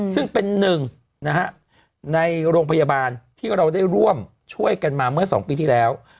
ซึ่งเป็นหนึ่งในโรงพยาบาลที่เราได้ร่วมช่วยกันมาเมื่อ๒ปีที่แล้ว